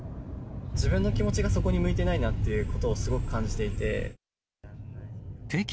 自分の気持ちがそこに向いてないなということをすごく感じていて。